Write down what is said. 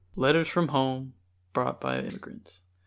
LETTERS FROM HOME BROUGHT BY IMMIGRANTS.